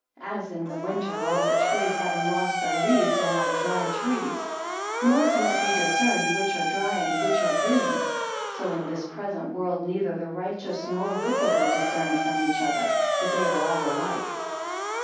4 As in the winter all the trees having lost their leaves, are like dry trees; nor can it be discerned which are dry and which are green: so in this present world neither the righteous, nor wicked are discerned from each other; but they are all alike.